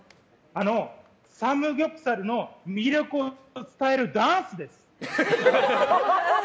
サムギョプサルの魅力を伝えるダンスです。